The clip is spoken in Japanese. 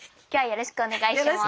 よろしくお願いします。